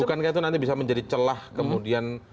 bukankah itu nanti bisa menjadi celah kemudian